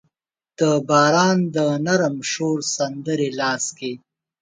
د باران د نرم شور سندرې لاس کې